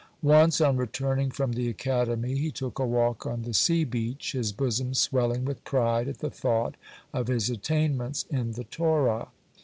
Once, on returning from the academy, he took a walk on the sea beach, his bosom swelling with pride at the thought of his attainments in the Torah.